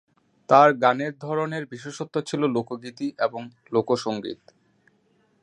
তার গানের ধরনের বিশেষত্ব ছিল লোকগীতি এবং লোকসঙ্গীত।